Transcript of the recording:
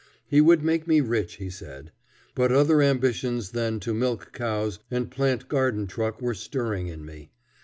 He would make me rich, he said. But other ambitions than to milk cows and plant garden truck were stirring in me.